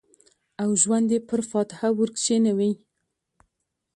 او ژوند یې پر فاتحه ورکښېنوی